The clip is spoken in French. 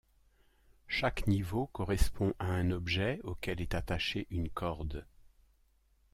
Chaque niveau correspond à un objet auquel est attaché une corde.